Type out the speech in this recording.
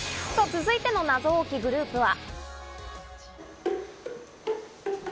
続いての謎多きグループは。